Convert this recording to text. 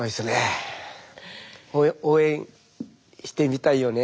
応援してみたいよね。